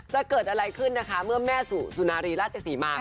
จะเกิดอะไรขึ้นนะคะเมื่อแม่สุนารีราชเจกษีมาก